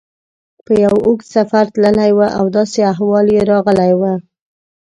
په یو اوږد سفر تللی و او داسې احوال یې راغلی و.